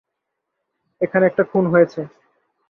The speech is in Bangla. এখানে একটা খুন হয়েছে।